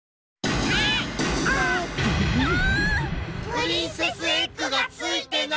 プリンセスエッグがついてない。